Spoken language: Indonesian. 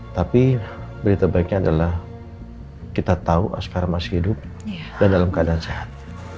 tapi berita baiknya adalah kita tahu aspara masih hidup dan dalam keadaan sehat